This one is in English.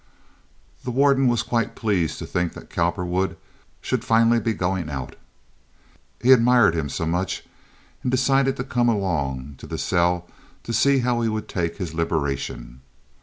The warden was quite pleased to think that Cowperwood should finally be going out—he admired him so much—and decided to come along to the cell, to see how he would take his liberation.